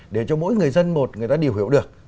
để cho mỗi người dân một người ta đều hiểu được